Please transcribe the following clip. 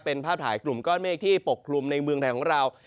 เป็นภาพถ่ายกลุ่มก้อนเมฆที่ปกคลุมในเมืองไทยของเรา